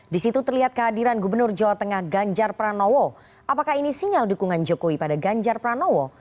di situ terlihat kehadiran gubernur jawa tengah ganjar pranowo apakah ini sinyal dukungan jokowi pada ganjar pranowo